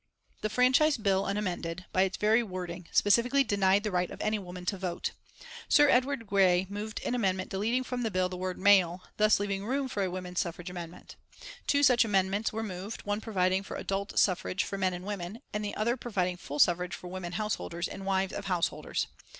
The Franchise Bill unamended, by its very wording, specifically denied the right of any woman to vote. Sir Edward Grey moved an amendment deleting from the bill the word male, thus leaving room for a women's suffrage amendment. Two such amendments were moved, one providing for adult suffrage for men and women, and the other providing full suffrage for women householders and wives of householders.